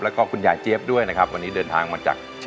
ร้องได้ไฮไลน์ลูกทุ่งสู้